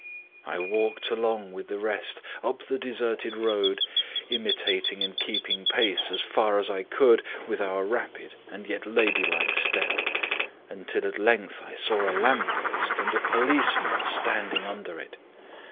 "I walked along with the rest up the deserted road, imitating and keeping pace, as far as I could, with their rapid and yet lady like step, until at length I saw a lamp post and a policeman standing under it.